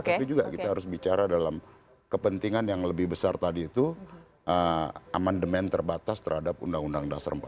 tapi juga kita harus bicara dalam kepentingan yang lebih besar tadi itu amandemen terbatas terhadap undang undang dasar empat puluh